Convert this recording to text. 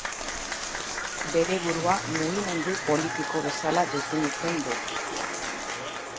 Bere burua mugimendu politiko bezala definitzen du.